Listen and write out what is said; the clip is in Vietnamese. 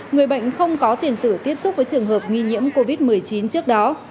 người bệnh không có tiền sử tiếp xúc với trường hợp nghi nhiễm covid một mươi chín trước đó